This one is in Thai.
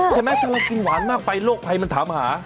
ใช่ไหมถ้าเรากินหวานมากไปโรคภัยมันถามหา